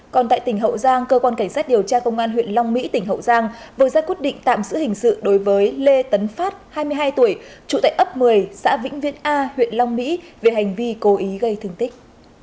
còn tại tỉnh hậu giang cơ quan cảnh sát điều tra công an huyện long mỹ tỉnh hậu giang vừa ra quyết định tạm giữ hình sự đối với lê tấn phát hai mươi hai tuổi chủ tại ấp một mươi xã vĩnh viên a huyện long mỹ về hành vi cố ý gây thương tích